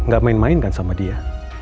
gak main mainkan sama dia